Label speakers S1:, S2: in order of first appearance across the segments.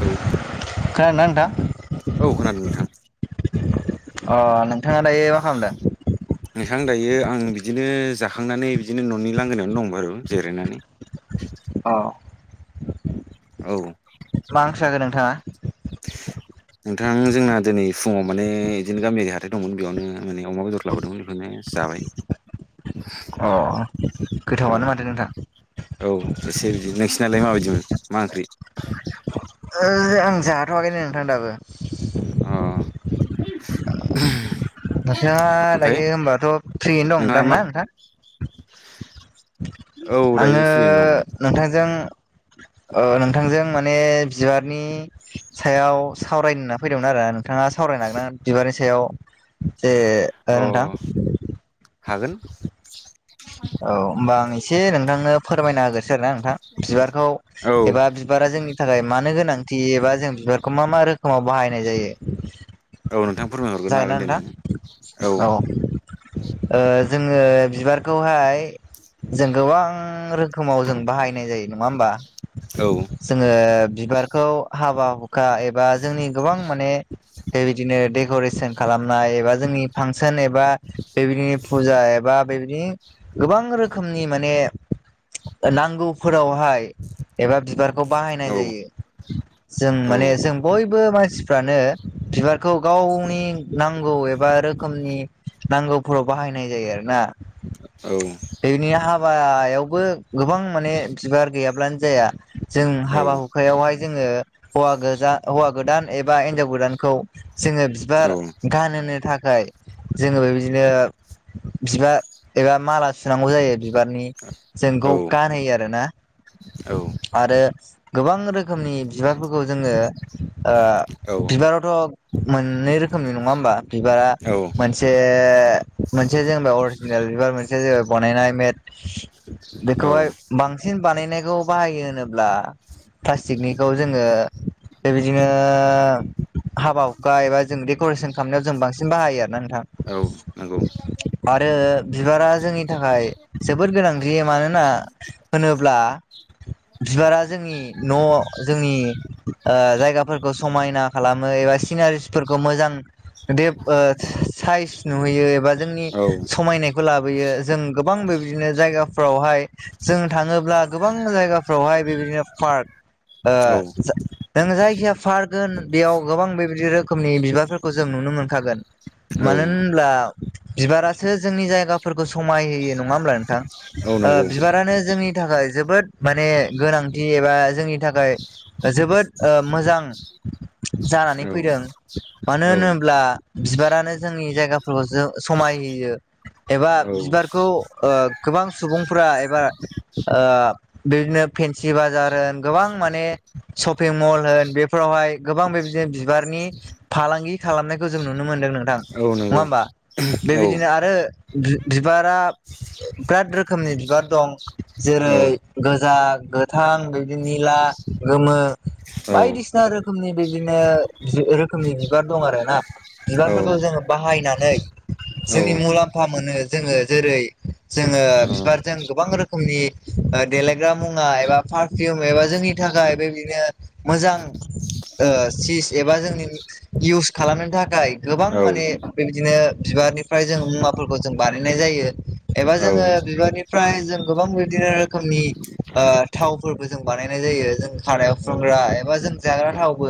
S1: औ।
S2: खोनादोंना नोंथां?
S1: औ खोनादों नोंथां।
S2: अ नोंथाङा दायो मा खालामदों?
S1: नोंथां दायो आं बिदिनो जाखांनानै बिदिनो न'नि लांगोनायावनो दं बारु जिरायनानै।
S2: अ
S1: औ
S2: मा ओंख्रि जाखो नोंथाङा?
S1: नोंथां जोंना दिनै फुङाव माने बिदिनो गामियारि हाथाय दंमोन बेयावनो माने अमा बेदर लाबोदोंमोन बेखौनो जाबाय।
S2: अ
S1: औ
S2: गोथावानो माथो नोंथां
S1: औ एसे बिदि नोंसिरनालाय माबाय ओ मा ओंख्रि?
S2: ओ आं जाथ'वाखैनो नोंथां दाबो।
S1: अ
S2: नोंथाङा दायो होनबाथ' फ्रियैनो
S1: नोंथाङा मा
S2: दंदांना नोंथां?
S1: औ
S2: आङो
S1: दायो फ्रियैनो दंमोन
S2: नोंथांजों ओ नोंथांजों माने बिबारनि सायाव सावरायनो होना फैदोंमोन आरो नोंथाङा साव रायनो हागोनना बिबारनि सायाव जे हो
S1: अ
S2: नोंथां?
S1: हागोन।
S2: औ होमबा आं एसे नोंथांनो फोरमायना होगोरसै आरो ना नोंथां। बिबारखौ
S1: औ
S2: एबा बिबारा जोंनि थाखाय मानो गोनांथि एबा जों बिबारखौ मा मा रोखोमाव बाहायनाय जायो?
S1: औ नोंथां फोरमायहरग्रोनो
S2: जागोनना
S1: हागोन दे
S2: नोंथां
S1: नोङो औ ।
S2: ओ जोङो बिबारखौहाय जों गोबां रोखोमाव जों बाहायनाय जायो नङा होमबा?
S1: औ
S2: जोङो बिबारखौ हाबा हुखा एबा जोंनि गोबां माने बेबायदिनो देक'रे सेन खालामनाय एबा जोंनि फांसन एबा बेबायदिनो फुजा एबा बेबायदिनो गोबां रोखोमनि माने नांगौफोरावहाय एबा बिबार खौ बाहायनाय
S1: औ
S2: जायो जों
S1: औ
S2: मानि जों बय बो मानसिफ्रानो बिबारखौ गाव नि नांगौ एबा रोखोमनि नांगौफोराव बाहायनाय जायो आरो ना ।
S1: औ ।
S2: हाबायावबो गोबां माने बिबार गैयाब्लानो जाया । जों
S1: औ
S2: हाबा हुखायावहाय जोङो हौवा गोजा हौवा गोदान एबा हिनजाव गोदानखौ जोङो
S1: औ
S2: बिबार गान सोनो थाखाय जोङो बेबायदिनो बिबार एबा माला सुनांगौ जायो । बिबारनि जोंखौ गानहोयो आरो ना
S1: औ
S2: आरो गोबां रोखोमनि बिबारफोरखौ जोङो ओ बिबारावथ' मोननै रोखोमनि नङा होमबा बिबारा
S1: औ
S2: मोनसे मोनसे जेनेबा अ जिनेल बनायनाय मेद
S1: औ
S2: बेखौहाय बांसिन बानायनाय खौ बाहायो होनोब्ला प्लासटिकनिखौ जोंङो बेबि बिदिनो हाबा हुखा एबा जों डेक'रेसन खालामनायाव जों बांसिन बाहायो आरो ना
S1: औ नंगौ ।
S2: आरो बिबारा जोंनि थाखाय जोबोद गोनांथि मानोना होनोब्ला बिबारा जोंनि न' जोंनि ओ जायगाफोरखौ समायना खालामो एबा सिनारिसफोरखौ मोजां दिब ओ स साइस नुहोयो एबा जोंनि
S1: औ
S2: समायनायखौ ला बोयो जों गोबां बेबायदिनो जायगाफ्रावहाय जों थाङोब्ला गोबां जायगाफ्रावहाय बेबा दिनों पार्क ओ
S1: औ
S2: ज नों जायखिया पार्क होन बेयाव गोबां बेबायदि रोखोमनि बिबारफोर खौ जों नुनो मोनखागोन
S1: औ
S2: मानो होनब्ला बिबारासो जोंनि जायगाफोरखौ समाय होयो नङा होमब्ला नोंथां?
S1: औ
S2: ओ
S1: नंगौ
S2: बिबारानो जोंनि थाखाय जोबोद माने गोनांथि एबा जोंनि थाखाय जोबोद ओ मोजां जानानै फैदों
S1: औ ।
S2: मानो होनोब्ला बिबारानो जोंनि जायगाफोरखौसो समाय होयो एबा
S1: औ
S2: बिबारखौ गोबां ओ सुबुंफोरा एबा ओ बिदिनो फेेनसि बाजार होन गोबां माने सपिं मल होन बेफोरावहाय गोबां बेबायदिनो बिबारनि फालांगि खालामनायखौ जों नुनो मोनदों नोंथां नङा
S1: औ नंगौ
S2: होमबा?
S1: औ
S2: बेबायदिनो आरो बि-बिबारा ब्राद रोखोमनि बिबार दं ।
S1: औ
S2: जेरै गोजा, गोथां, बिदि निला, गोमो
S1: औ
S2: बायदिसिना रोखोमनि बिबदिनो खोमनि बिबार दं आरोना
S1: औ
S2: बिबारफोरखौ जोङो बाहायनानै जोंनि मुलाम्फा मोनो जोङो जेरै जोङो बिबारजों गोबां रोखोमनि ओ देलायग्रा मुवा एबा पारफिउम एबा जोंनि थाखाय बेबायदिनो मोजां ओ चिस एबा जोंनि इउस खालामनो थाखाय गोबां माने बेबबदिनो बिबारनिफ्राय जों मुवाफोरखौ जों बानायनाय जायो एबा
S1: औ
S2: जोङो बिबारनिफ्राय जों गोबां बिदिनो रोखोमनि ओ थावफोरबो जों बानायनाय जायो ‌ खानायाव फुनग्रा एबा जों जाग्रा थावबो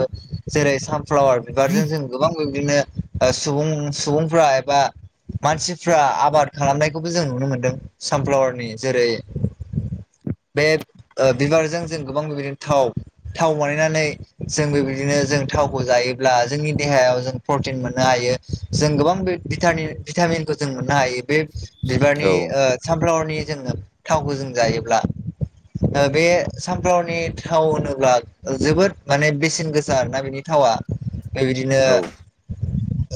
S2: जेरै सानफ्लावार बिबारजों जों गोबां बिदिनो ओ सुबुं सुबुंफोरा एबा मानसिफ्रा आबाद खालामनायखौबो जों नुनो मोनदों सानफ्लावारनि जेरै [inaudible] बे ओ बिबारजों जों गोबां बेबायदिनो थाव थाव बानायनानै जों बेबायदिनो जों थावखौ जायोब्ला जोंनि देहायाव जों प्रटिन मोननो हायो जों गोबां बे भिटामिन भिटामिनखौ जों मोननो हायो बे बिबारनि ओ सामफ्लावारनि जोङो थावखौजों जायोब्ला ओ बे सानफ्लावारनि थाव होनोब्ला जोबोद माने बेसेन गोसा आरोना बेनि थावा बे बायदिनो
S1: औ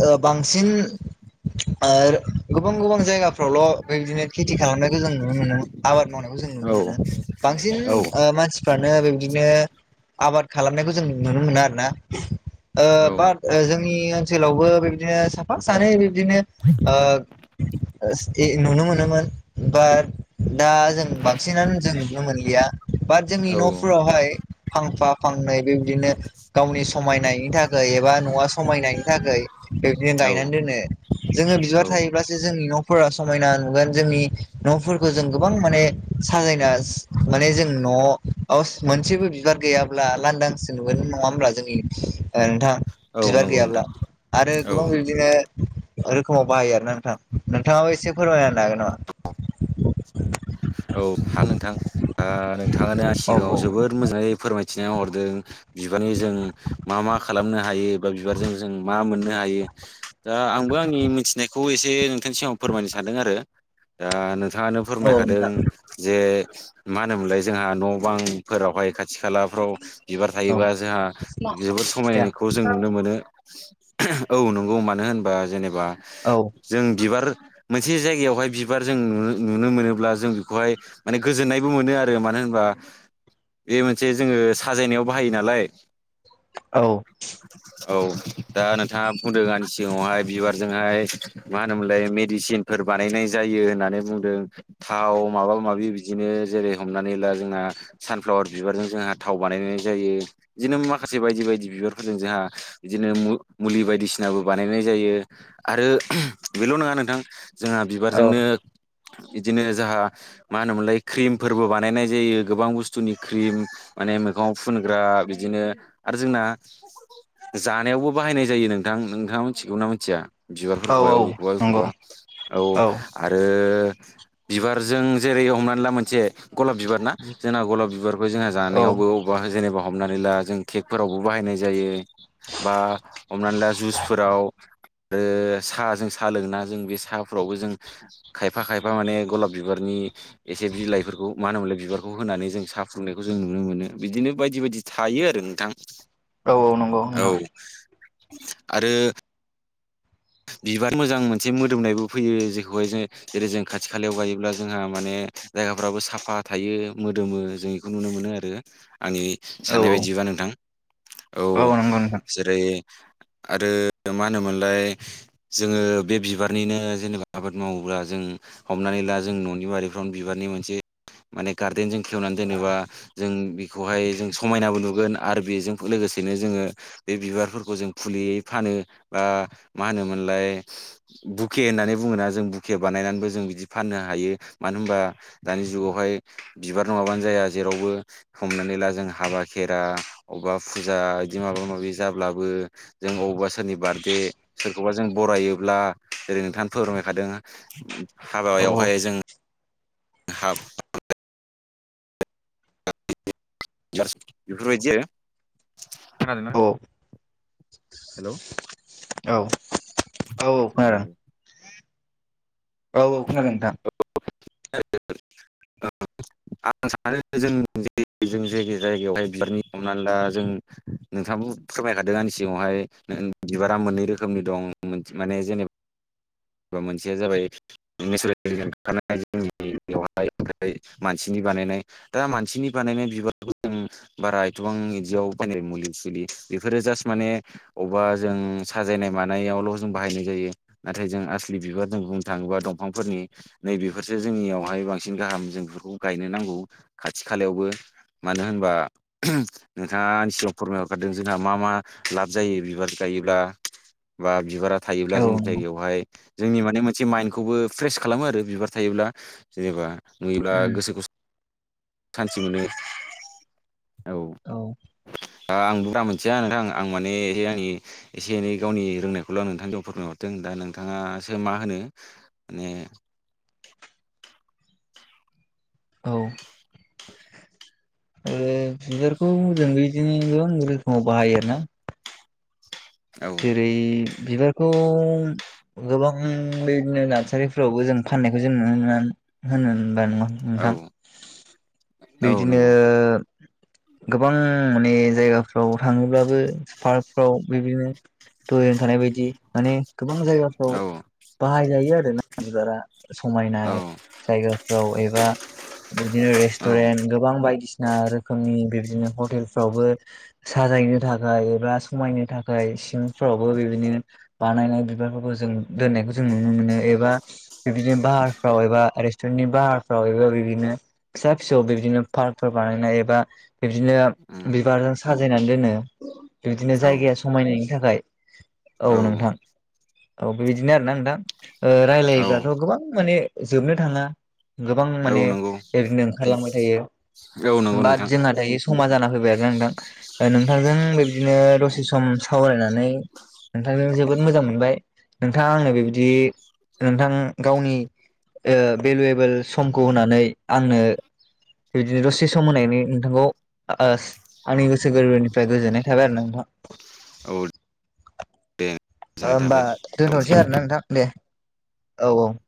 S2: ओ बांसिन गोबां ओ गुबुन गुबुन जायगाफ्रावल' बिदिनो खेथि खालामनायखौ जों नुनो मोनो आबाद मावनायखौ जों नुनो मोनो बांसिन ओ मानसिफ्रानो ओ बेबदिनो आबाद खालामनायखौ जों नुनो मोनो आरो ना ओ बाट जोंनि ओनसोलावबो बेबदिनो साफ फा सानै बिबदिनो ओ ए नुनो मोनोमोन बाट दा जों बांसिनानो जों नुनो मोनलिया बाट जोंनि न'फोरावहाय फांफा फांनै बेबायदिनो गावनि समायनायनि थाखाय एबा न'आ समायनायनि थाखाय बिबदिनो गायनानै दोनो जोङो बिबार थायोब्लासो जोंनि न' फोर समायना नुगोन जोंनि न'फोरखौ जों गोबां माने साजायना माने जों अ हावस मोनसेबो बिबार गैयाब्ला लांदांसो नुगोन नङा होमब्ला जोंनि ओ नोंथां
S1: औ नंगौ नोंथां
S2: बिबार
S1: औ
S2: रोखोमाव बाहायो आरो ना नोंथां नोंथाङाबो एसे फोरमायनो हागोन नामा
S1: औ हागोन नोंथां ओ नोंथाङा दा सिगाङाव
S2: हागोन
S1: जोबोद मोजाङै फोरमायथिना हरदों बिबार जों मा मा खालामनो हायो बे बिबारजों जों मा मोननोहायो दाआंबो आंनि मिथिनायखौ एसे एसे नोंथांनि सिगाव फोरमायनो सानदों आरो दा नोंथाङानो फोरमायखादों
S2: नामा?
S1: जे मा होनोमोनलाय जोंहा न' बांफोरावहाय खाथि खालाफ्राव बिबार
S2: औ नोंथां औ
S1: थायोबा जोंहा जोबोद
S2: खिथाया
S1: समायनायखौ जों नुनो मोनो औ नंगौ मानो होनबा जेनेबा
S2: औ
S1: जों बिबार मोनसे जायगायावहाय बिबार जों नुनो नुनो मोनो ब्ला जों बहाय माने गोजोन्नायबो मोनो आरो मानो होनबा बे मोनसे जोङो साजायनायाव बाहायो नालाय
S2: औ
S1: औ दा नोंथाङा बुंदो आंनि सिगाङावहाय बिबारजोंहाय मा होनोमोनलाय मेडिसिनफोर बानायनाय जायो होननानै बुंदों थाव माबा माबि बिदिनो जेरै हमनानै ला जोंना सानफ्लावार बिबारजों जोंहा थाव बानायनाय जायो बिदिनो माखासे बायदि बायदि बिबारजों जों बिदिनो मुलि बायदिसिनाबो बानायनाय जायो आरो बेल' नङा नोंथां जोंहा
S2: औ
S1: बिबारजोंनो बिदिनो जाहा मा होनोमोनलाय क्रिमफोरबो बानायनाय जायो गोबां बुस्थुनि क्रिम माने मैगं आवफुनग्रा बिदिनो आरो जोंना जानायावबो बाहायनाय जायो नोंथां नोंथाङा मिथिगौना मिथिया
S2: औ
S1: बिबारफोरखौहाय
S2: औ
S1: अबेखौबा
S2: नंगौ
S1: एबखौबा औ आरो बिबारजों जेरै हमनानै ला मोनसे गलाब बिबार ना जोंना गलाब बिबारखौ जोंहा
S2: औ
S1: जानायावबो अबेबा जेनेबा हमनानै ला जों केकफोरावबो बाहायनाय जायो बा हमनाला जुसफोराव आरो साहाजों साहा लोङोना जों बे साहाफोरावबो जों खायफा खायफा माने गलाब बिबारनि एसे बिलाइफोरखौ मानो होनोमलाय बिबारखौ होनानै जों साहा फुंनायखौ जों नुनो मोनो बिदिनो बायदि बायदि थायो आरो नोंथां
S2: औ नंगौ
S1: औ
S2: नोंथां
S1: आरो बिबार मोजां मोनसे मोदोमनायबो फैयो जेखौहाय ज जेरै जों खाथि खालायाव गायोब्ला जोंहा माने जायगाफ्राबो साफा थायो मोदोमो जों बेखौ नुनो मोनो आरो आंनि
S2: औ
S1: साननाय बायदिबा नोंथां औ
S2: नंगौ नोंथां
S1: जेरै आरो मा होनोमोनलाय
S2: [inaudible]
S1: जोङो बे बिबारनिनो जेनेबा आबाद मावोब्ला जों हमनानै ला जों न'नि बारिफ्रावनो बिबारनि मोनसे माने गार्देन जों खेवनानै दोनोबा जों बेखौहाय जों समायनाबो नुगोन आरो बेजों लोगोसे लोगोसेनो जोङो बे बिबारफोरखौ जों फुलियै फानो, बा मा होनोमोनलाय बुके होननानै बुङोना जों, बुके बानायनानैबो जों बिदि फाननो हायो। मा मानोहोनबा दानि जुगावहाय बिबार नङाबानो जाया जेरावबो हमनानै ला जों हाबा खेरा अबा फुजा बिदि माबा माबि जाब्लाबो जों अबा सोरनि बार्थडे सोरखौबा जों बरायोब्ला जेरै नोंथाङा फोरमायखादों
S2: औ
S1: हाबायावहाय जों हाब [unintelligible] खोनादों ना,
S2: औ
S1: हेल'।
S2: औ औ औ खोनादों। औ औ खोनादों नोंथां।
S1: आं सानो जों जों जाय जायगायावहाय बिबारनि हमनानै ला जों नोंथाङाबो फोरमायखादों आंनि सिगावहाय बिबारा मोननै रोखोमनि दं। माने जेनेबा मोनसेया जाबाय नेचारेल मोनखानाय जोंनि बेवहाय मानसिनि बानायनाय। दा मानसिनि बानायनाय बिबारखौ जों बारा एथबां बिदियाव बा मुलि सुलि, बेफोरो जास्ट माने अबेबा जों साजायनाय मानायावल' जों बाहायनाय जायो। नाथाय जों बिबार जों बुंनो थाङोबा दंफांफोरनि नै बेफोरसो जोंनियावहाय बांसिन गाहाम जों बेफोरखौ गायनो नां खौ खाथि खालायावबो मानो होनबा नोंथाङा आंनि सिगाङाव फोरमायहरखादों जोंहा मा मा लाब जायो बिबार गायोब्ला, बा बिबारा थायोब्ला
S2: औ
S1: जोंनि
S2: नंगौ
S1: जायगायावहाय जोंनि माने मोनसे माइन्डखौबो फ्रेस खालामो आरो बिबार थायोब्ला जेनेबा नुयोब्ला गोसोखौ सानति मोनो, औ। आं बारा मोनथिया नोंथां आं माने आंनि एसे एनै गावनि रोंनायखौल' नोंथां बुंहरदों दा नोंथाङासो मा होनो माने
S2: [inaudible] औ। बिबारखौ जों बिदिनो गोबां रोखोमाव बाहायो आरो ना।
S1: औ
S2: जेरै- बिबारखौ गोबां बेदिनो नार्सारिफोरावबो जों फाननायखौ जों नुनो [unintelligible] होनो होनबा नङा
S1: औ
S2: नोंथां।
S1: औ
S2: बिदिनो
S1: नंगौ
S2: गोबां माने जायगाफ्राव थाङोब्लाबो पार्कफ्राव बिदिनो दहाय होनखानाय बायदि माने गोबां जायगाफ्राव
S1: औ
S2: बाहायजायो आरोना बिबारा।
S1: औ
S2: समायनाय, जायगाफ्राव एबा बिदिनो
S1: औ
S2: रेस्टुरेन्ट गोबां बायदिसिना ना रोखोमनि बिबदिनो हटेलफ्रावबो साजायनो थाखाय एबा समायनो थाखाय फोरावबो बिदिनो बानायनाय बिबारफोरखौ जों दोननायखौ जों नुनो मोनो एबा बिदिनो बाहारफ्राव एबा रेस्टुरेननि बाहारफ्राव एबा बिदिनो फिसा फिसौ बिदिनो पार्कफोर बानायनाय एबा बिबदिनो
S1: उम
S2: बिबारजों साजायनानै दोनो। बिबदिनो
S1: औ
S2: जायगाया समायनायनि थाखाय औ नोंथां। औ बेबायदिनो आरोना नोंथां रायलायोब्लाथ' गोबां माने जोबनो थाङा। गोबां
S1: औ
S2: माने
S1: नंगौ
S2: बिदिनो ओंखारलांबाय थायो।
S1: औ नंगौ
S2: बात
S1: नोंथां
S2: जोंहा दायो समा जाना फैबाय आरो ना नोंथां। नोंथांजों बेबायदिनो दसे सम सावरायनानै नोंथांजों जोबोद मोजां मोनबाय। नोंथाङा आंनो बे बायदि नोंथां गावनि भेलुवेबोल समखौ होनानै आंनो बिदिनो दसे सम होनायनि नोंथांखौ आंनि गोसो गोरबोनिफ्राय गोजोननाय थाबाय आरो नोंथां। [inaudible]
S1: औ दे गोजोननाय
S2: होनोमबा
S1: थाबाय
S2: दोनथ'नोसै
S1: दोनसै
S2: आरो ना नोंथां दे औ औ। [inaudible]